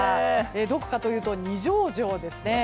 どこかというと、二条城ですね。